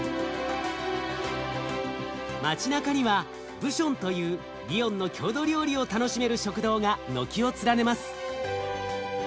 街なかにはブションというリヨンの郷土料理を楽しめる食堂が軒を連ねます。